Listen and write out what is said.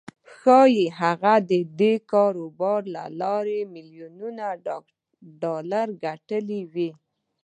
ښايي هغه د دې کاروبار له لارې ميليونونه ډالر ګټلي وي.